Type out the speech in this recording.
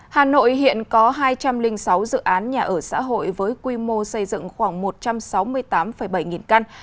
hà nội hiện có hai trăm linh sáu dự án nhà ở xã hội với quy mô xây dựng khoảng một trăm sáu mươi tám bảy nghìn căn